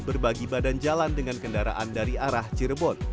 berbagi badan jalan dengan kendaraan dari arah cirebon